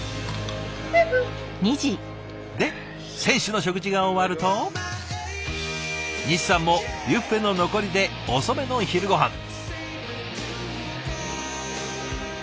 で選手の食事が終わると西さんもビュッフェの残りで遅めの昼ごはん。